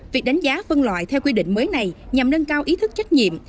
việc đánh giá phân loại theo quy định mới này nhằm nâng cao ý thức trách nhiệm